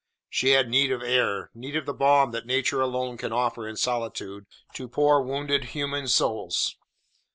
She had need of air, need of the balm that nature alone can offer in solitude to poor wounded human souls.